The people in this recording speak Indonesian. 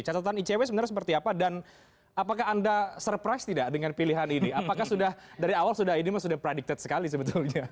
catatan icw sebenarnya seperti apa dan apakah anda surprise tidak dengan pilihan ini apakah sudah dari awal sudah ini sudah predicted sekali sebetulnya